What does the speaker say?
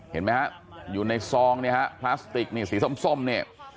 เห็นไหมฮะอยู่ในซองเนี่ยฮะพลาสติกนี่สีส้มเนี่ย